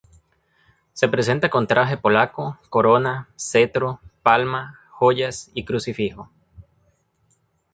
Se representa con traje polaco, corona, cetro, palma, joyas y crucifijo.